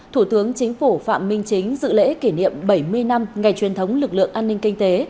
thủ tướng chính phủ phạm minh chính dự lễ kỷ niệm bảy mươi năm ngày truyền thống lực lượng an ninh kinh tế